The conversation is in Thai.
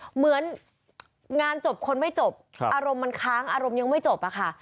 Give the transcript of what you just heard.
เหมือนงานจบคนไม่จบอารมณ์มันค้างอารมณ์ยังไม่จบอะค่ะ